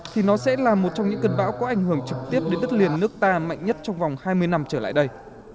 thì nó sẽ là một trong những cơn bão có ảnh hưởng trực tiếp đến đất liền nước ta mạnh nhất trong vòng hai mươi năm trở lại đây